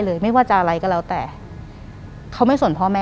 หลังจากนั้นเราไม่ได้คุยกันนะคะเดินเข้าบ้านอืม